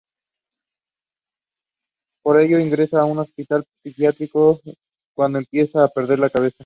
Por ello la ingresan en un hospital psiquiátrico cuando empieza a perder la cabeza.